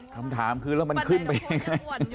คำถามคือแล้วมันขึ้นไปยังไง